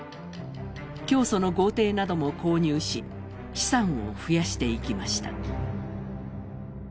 教祖の豪邸なども購入し、資産を増やしていきました。